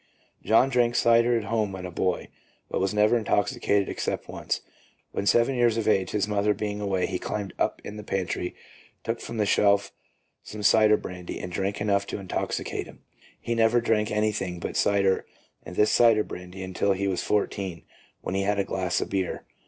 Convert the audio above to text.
John drank cider at home when a boy, but was never intoxicated except once. When seven years of age, his mother being away, he climbed up in the pantry, took from the shelf some cider brandy and drank enough to intoxicate him. He never drank anything but cider and this cider brandy until he was fourteen, when he had a glass of beer.